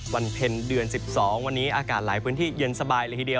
วันเพ็ญเดือน๑๒วันนี้อากาศหลายพื้นที่เย็นสบายเลยทีเดียว